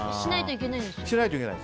しないといけない。